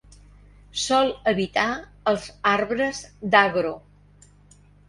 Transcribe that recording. Sol habitar als arbres dagro.